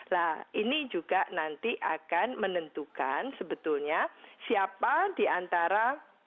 nah ini juga nanti akan menentukan sebetulnya siapa diantara